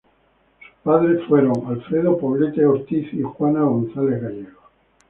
Sus padres fueron Alfredo Poblete Ortiz y Juana González Gallegos.